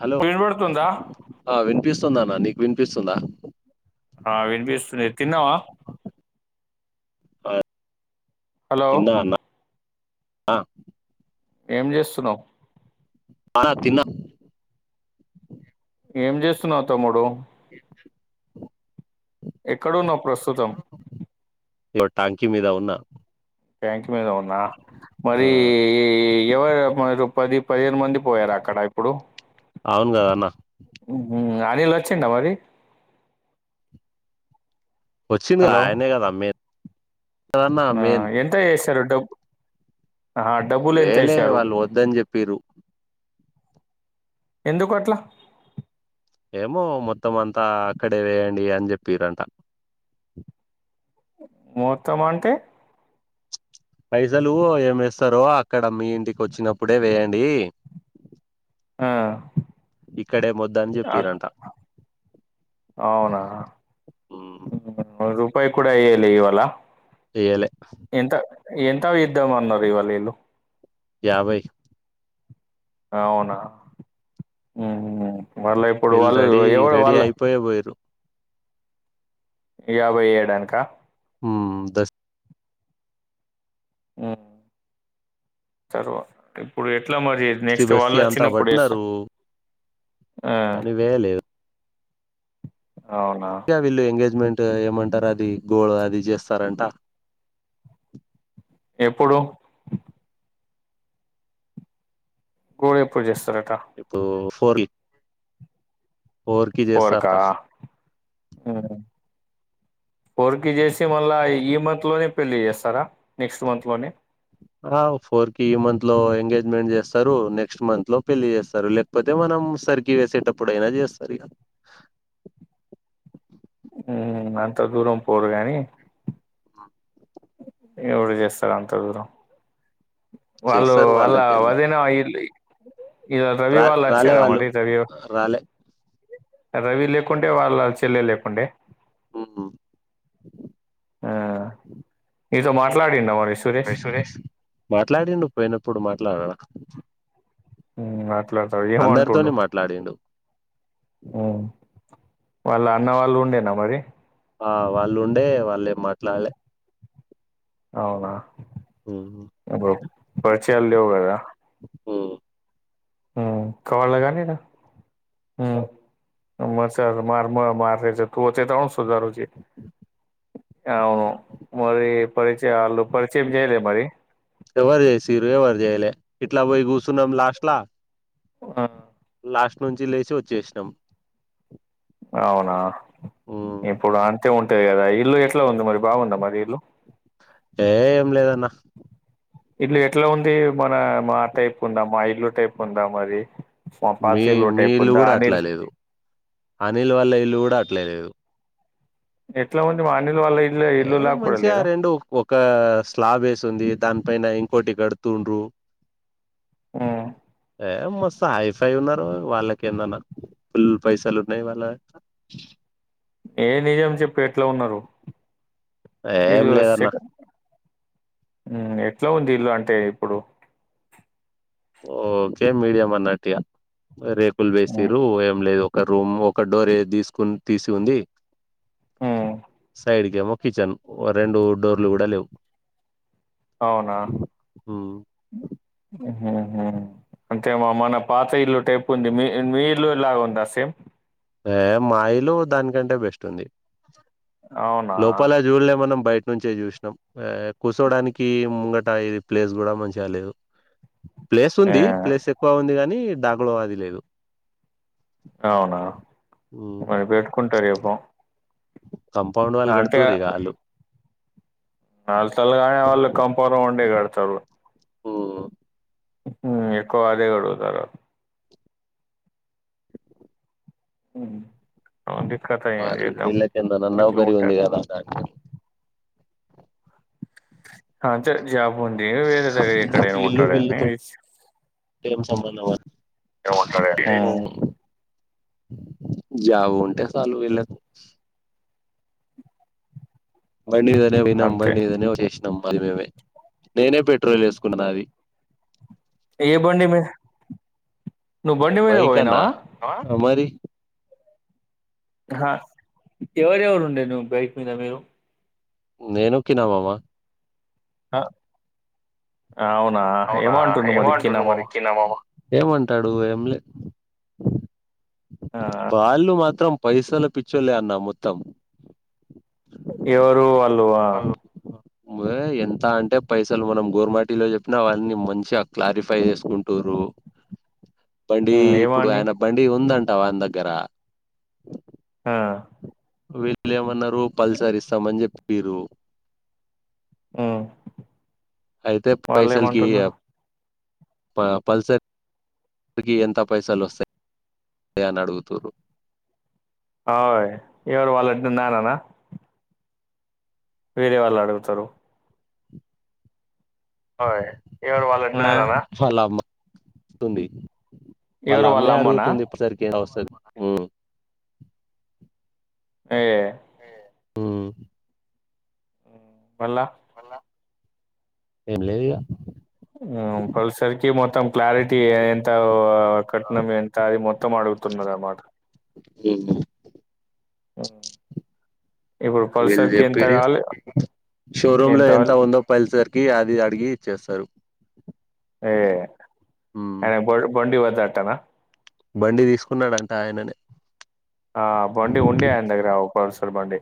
Hello వినబడుతుందా ఆ వినిపిస్తుంద నా నీకు వినిపిస్తుందా ఆ వినిపిస్తుంది తిన్నావా ఆ హలో తిన్నా అన్నా ఆ ఏం చేస్తున్నావ్ అ తిన్న ఏం చేస్తున్నావు తమ్ముడు ఎక్కడున్నావ్ ప్రస్తుతం ఇగో టాంకీ మీద ఉన్నా టాంక్ మీద ఉన్నా ఆ మరీ ఎవరు మీ పది పదిహేను మంది పోయారు అక్కడ ఇప్పుడు అవును కదా అన్న ఊహూ అనిల్ వచ్చిండా మరి వచ్చింది హలో ఆయనే కదా అమ్మేది ఆ ఎంత ఏస్ సర డబ్బు ఆహా, డబ్బులు ఎంత వేయలే వేశారు వాళ్ళు వద్దని చెప్పిరు ఎందుకు అట్లా ఏమో మొత్తం అంతా అక్కడే వేయండి అని చెప్పిరంట మొత్తం అంటే పైసలు ఏమి వేస్తారో అక్కడ మీ ఇంటికి వచ్చినప్పుడే వేయండీ ఆ, అని అక్ చెప్పిరంట అవునా మరి ప్పయి కూడా ఎయ్యాలి ఇవాళ చెయ్యలే ఎంత ఎంత ఇద్దాం అన్నారు ఇవాళీళ్ళు యాభై అవునా ఊహూ వీళ్ళు రెడీ రెడీ అయిపోయ పోయరు యాభై ఏడానుక దస్ త ఇప్పుడు ఎట్లా మరి బస్తీ నెక్స్ట్ వాళ్ళు బస్తీ అంతా వచ్చినప్పుడు పట్టిన చేస్తా ఆ కానీ వేయలేదు అవునా ఇ వీళ్ళు ఎంగేజ్మెంట్ ఏమంటారారు అది గోళ అది చేస్తారంట ఎప్పుడు గోడ ఎ పూజ చేస్తారు ఇప్పు కోరు పోరుకా కోర్కి చేసి మళ్ళా ఈ ఈ మట్లోనే పెళ్లి చేస్తారు స్తారా నెక్స్ట్ మంత్లోనే ఆ ఫోర్ కి ఈ మంత్ లో ఎంగేజ్మెంట్ చేస్తారు నెక్స్ట్ మంత్ లో పెళ్లి చేస్తారు లేకపోతే మనం సరికి వేసేటప్పుడు అయినా చేస్తారు ఎంత దూరం పోరు కానీ ఎవడు చేస్తారు అంత దూరం వాళ్ళు చేస్తారు వాళ్ళ వాళ్ళకేంది వదైన ఇల్ళ అ ఇద రా రవివళచ్చ రాలే రా వాళ్ళు మరి రవివ రాలే రవి లేకుండే వాళ్ళ చెల్లె లేకుండే అవునా మీతో మాట్లాడి సురేష్ మాట్లాడిడి పోయినప్పుడు మాట్ అలాడం ఉ అ అందరితోనే మాట్లాడిడు ఆ వాళ్ళ అన్న వాళ్ళు ఉండేనా మరి ఆ వాళ్ళు ఉండే వాళ్ళేం మాట్లాడలే అవునా ఉమ్ పర్చి హల్లే వగరా ఉమ్. హు కావాలకానీ హు మసాలా మార్ములా మర్ మేర త ఉచితం సుదరు చే ఆవును మరి పరిచ పరిచయం చేయరామరి ఎవరు చేసిర్రు ఎవరు చేయలేవు ఇట్లవై కూర్చున్నాం లాస్ట్ లా ఆ లాస్ట్ నుంచి లేచి వచ్చేసినాం అవునా ఉమ్ ఇప్పుడు అంతే ఉంటా ఆంథే కదా ఇల్లు ఎట్లా ఉంది మరి బాగుందా మరి ఇల్లు ఏ ఏం లేదన్న ఇలు ఎట్లా ఉంది మన మా టైప్ ఉందామా ఇల్లు టైప్ ఉందాం అది మీ మీ ఇల్లు కూడా అట్లా లేదు అనిల్ వాళ్ళ ఇల్లు కూడా అట్లా లేదు ఎట్లా ఉంది వా ఏ మంచిగా రెండు ఒక స్లాబ్ వేసింది దాని పైన ఇంకోటి కడుతుండ్రు హ్మ్ ఏ మస్తు హై ఫై ఉన్నారు వాళ్ళకి ఏందన్నా ఫుల్ పైసలు ఉన్నాయి వాళ్ళ ఏ నిజం చెప్పు ఎట్లా ఉన్నారు ఏం లేదన్న హ్మ్ ఎట్లా ఉంది ఇల్లు అంటే ఇప్పుడు ఓకే మీడియం అన్నటియా రేకులు ఉమ్ వేసిర్రు ఏం లేదు ఒక రూమ్ ఒక డోరే తీసుకుని తీసి ఉంది ఉమ్ సైడ్ కి ఏమో కిచెన్ రెండు డోర్లు కూడా లేవు అవునా హ్మ్ హు హు అంటే మా మన పాత ఇల్లు టైపు ఉంది మీ మీ ఇల్లు లాగ ఉందా సేమ్ ఏ మా ఇల్లు దానికంటే బెస్ట్ ఉంది అవునా లోపల జూడలే మనం బయ నుంచే చూసినాం కూర్చోడానికి ముంగట ఇది ప్లేస్ కూడా మంచిగా లేదు ప్లేస్ ఏ ఉంది ప్లేస్ ఎక్కువ ఉంది గాని డ [unintelligible] వాదిలేదు అవునా పని పెట్టుకుంటారు ఎప కంపౌండ్ వాల్ కడుతూరిగా వాళ్లు నాలుగు గదులే కానీ వాళ్లు కంపౌండ్ వాలే కడతారు ఆ మ్ ఎక్కువ అదే అడుగుతారు ఉమ్. ఉంది కథ ఏం మరి చేద్దాం వీళ్ళకేందన్న ఇట్లా నౌకరి ఉంటా ఉంది కదా జాబ్ ఉంది వేరే దగ్గర ఎక్కడైనా వీళ్ళు ఉంటాడని వీళ్ళుతో ఏమంటారు అండి హ్మ్ జవ ఉంటే చలు విలాకు బండి మీదనే పోయినం అంతే బండి మీదనే వచ్చేసినం మ మే మే నేనే పెట్రోల్ వేసుకున్నా నావి ఏ బోండి మీద నువ్వు బండి మీద బైక్ అన్నా పోయినావా అ మరి హ ఎవరెవరు ఉండే నువ్వు బైక్ మీద మీరు నేను కినమామ్మా ఆ అవునా అవునా ఏమంటుండు మరి కిన ఏమంటుండు మామ మరి కినా ఏమంటాడు ఏంలే ఆ వాల్లు మాత్రం పైసల పిచ్చోలే అన్న మొత్తం ఎవరు అలువా వాళ్ళు ఎంత అంటే పైసలు మనం గోర్మాటిలో చెప్పినా అవన్నీ మంచిగా క్లారిఫై చేసుకుంటురు బండి హ్మ్ ఇప్పుడు ఏమని ఆయన బండి ఉందంట వాన్ దగ్గర ఆ వీల్లేమన్నారు పల్సర్ ఇస్తామని చెప్పి పిరు హు అయితే పైసలుకి అ ప పల్సరిగి ఎంత పైసలు వస్తాయియాన్ అడుగుతూరు య ఎవరు వాళ నానానా వేరే వాళ్ళు అడుగుతరు అయ ఎవరు వాళ్ళుంట్ల ఆ నాన నా వల్ల అమ్మ ఉంది వాళ్ళ ఎవరు అమ్మ ఎ అమ్మనా అడుగుతుంది ఇప్పటిసరికి ఏ అస్తుంది ఉం ఏ ఉం వళ్ళ ఏం లేదిగా ఫల్సర్కి మొత్తం క్లారిటీ ఎంత కట్నం ఎంత అది మొత్తం మగుతున్నది మాట ఉ ఆ వీళ్ళు చెప్పిరిగా షోరూమ్ లో ఎంత ఉందో పల్సర్ అది అడిగి చేస్తారు ఏ బండి వా నా బండి తీసుకున్నాడంట ఆయననే ఆ బండి ఉండి ఆయన దగ్గర పసలు బండి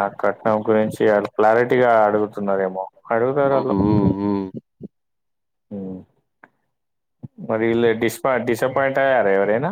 ఆ కట్నం గురించి ఆ క్లారిటీగా అడుగుతున్నారేమో అడుగుతారు అట్లా మరి ఇ డిస్పా డిసప్పయిట్ర ఎవర ఏనా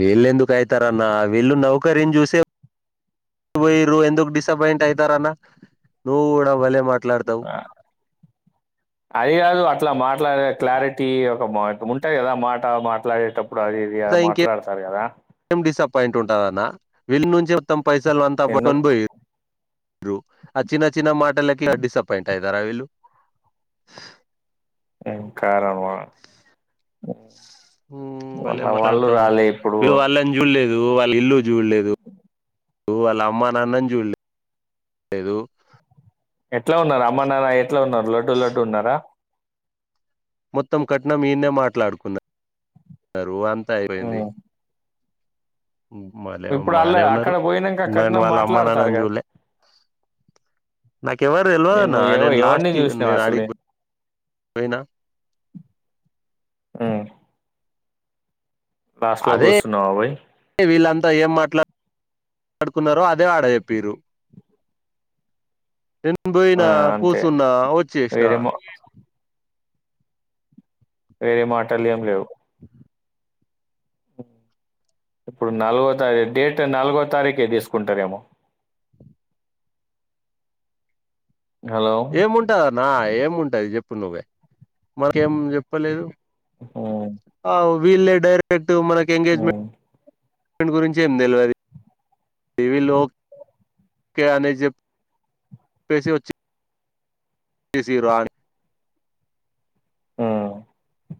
వీళ్ళు ఎందుకు వీళ్ళు నౌకరని చూ పో ఎందుకు డిసప్పయింట్ అవుతారన్నా నువవులే మాట్లాడుతావు ఆ, అది కాదు అట్లా మా క్లా క్లారిటీ మాట ఉంటాయి కదా మాట మాట్లాడేటప్పుడు ఇప్పుడు అది ఇది మాట్లాడతారు కదా పాయింట్ ఉంటదన్న వెళ్ళి నుంచి మత్తం పైసలు అంతా ఎందుకు పోయి ఇ ఆ చిన్న చిన్న మా లకి డిసాయింట్యింది కరవలు కారణమా భలే మాట్లాడతావు ఇప్పుడు నువ్వు వాళ్ళని జూల్లేదు వాళ్ళ ఇల్లు చూడలేదు వాళ్ళ అమ్మ నాన్నని చూడలేదుదు ఎట్లా ఉన్నారు అమ్మనారా ఎట్లా ఉన్నారు లడ్డూ లడ్డుూ ఉన్నారా మొత్తం కట్న ఈయన్న మాట్లాడుకున్నారు అంతా అయిపోయింది మర ఇప్పుడు వాళ్ళ మానే ఉన్నారు అక్కడ పోయినాక నేను కట్నం వాళ్ళ అమ్మ మాట్లాడతారు నాన్నని కదా చూలే నాకెవరు తెలవదన్నా నువ్వు ఎవ నేను లాస్ట్ ఎవరిని కి చూసినావు నేను అసలే అడిపోకీ పోయినా ఆ అదే కూర్చున్నావా పోయి వీళ్లంతా ఏం మాట్లాడు ఆడుకున్నారో అదే ఆడ చెప్పిరు పను ఆ పోయినా అంతే కూర్చున్నా వచ్చేసిన వేరే మా వేరే మాటలు ఏం లేవు ఇప్పుడు నాలుగో తారఖ డేట్ నాలుగో తారీఖు తీసుకుంటారేమో హలో ఏముంటదన్న ఏం ఉంటాది చెప్పు నువ్వే మకేం చెప్పలేదు ఆ వీళ్ డైరెక్ట్ మనకి ఎంగేజ్మెంట్ ట్ గురించి ఏం తెలివదువి లో అనే చె చెప్పేసి వచ్చి సిసిరో అని ఆ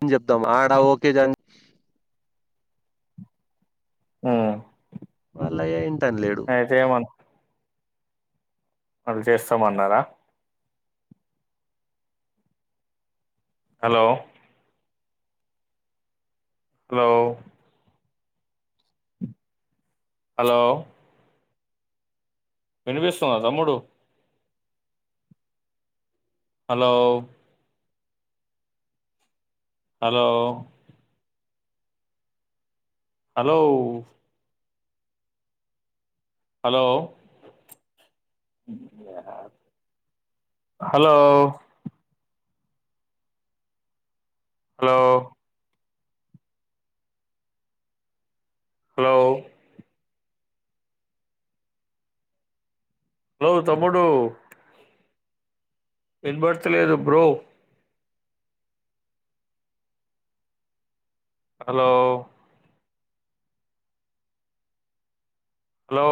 ఏం చెప్తాం ఆడా ఓకే జంగ్ ఆ వాళ్ళయ ఇంటనే లేడు ఏమన్నా వాళ్ళు చేస్తామన్నారా హలో హలో హలో వినిపిస్తుంద తమ్ముడు hello hello hello hello hello hello hello hello తమ్ముడు వినబడతలేదు bro hello hello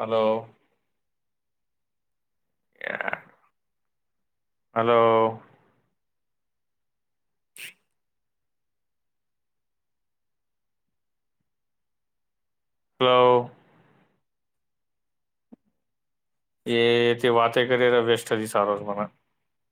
hello hello hello ఏ తే వాతే కేర వేస్ట్ది సారవ మన